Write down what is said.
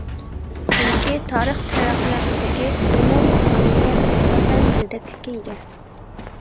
چۈنكى تارىخ تەرەققىياتىدىكى ئومۇمىي قانۇنىيەت ئاساسەن بىردەكلىككە ئىگە.